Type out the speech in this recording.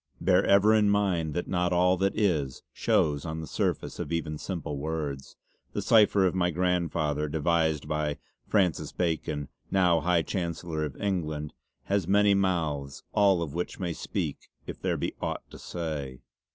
Bear ever in mind that not all that is shows on the surface of even simple words. The cipher of my Grandfather devised by Fr. Bacon now High Chancellor of England has many mouths, all of which may speak if there be aught to say.